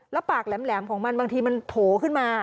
แล้วปากแหลมของมันบางทีมันโถขึ้นมา